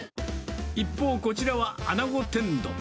一方、こちらはあなご天丼。